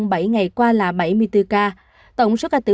bạc liêu hai trăm năm mươi một